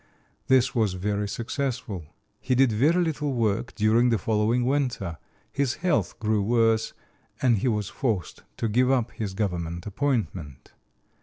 This was very successful. He did very little work during the following winter; his health grew worse, and he was forced to give up his government appointment.